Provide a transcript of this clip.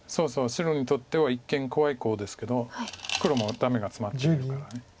白にとっては一見怖いコウですけど黒もダメがツマってるから。